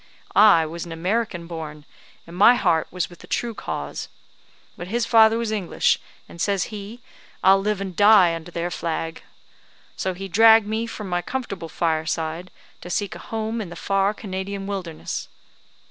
I was an American born, and my heart was with the true cause. But his father was English, and, says he, 'I'll live and die under their flag.' So he dragged me from my comfortable fireside to seek a home in the far Canadian wilderness.